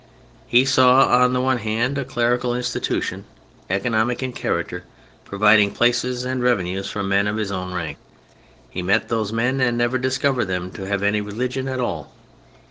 He saw on the one hand a clerical institution, economic in character, providing places and revenues for men of his own rank; he met those men and never discovered them to have any religion at all.